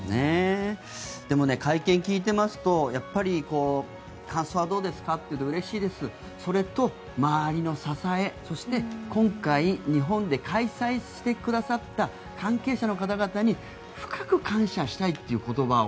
でも、会見を聞いてますと感想はどうですかって聞くとうれしいですそれと、周りの支えそして今回日本で開催してくださった関係者の方々に深く感謝したいという言葉を。